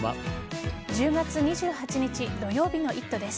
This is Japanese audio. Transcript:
１０月２８日土曜日の「イット！」です。